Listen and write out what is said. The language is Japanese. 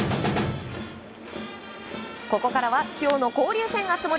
ここからは今日の交流戦、熱盛。